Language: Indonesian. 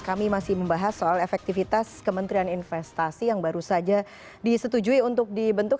kami masih membahas soal efektivitas kementerian investasi yang baru saja disetujui untuk dibentuk